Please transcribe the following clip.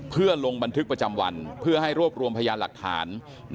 เพื่อลงบันทึกประจำวันเพื่อให้รวบรวมพยานหลักฐาน